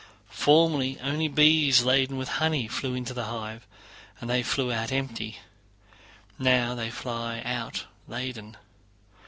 Formerly only bees laden with honey flew into the hive, and they flew out empty; now they fly out laden.